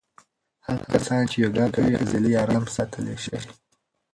هغه کسان چې یوګا کوي عضلې آرامې ساتلی شي.